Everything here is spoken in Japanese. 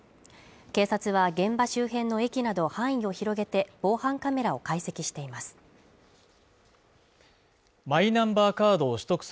警察は現場周辺の駅など範囲を広げて防犯カメラを解析しています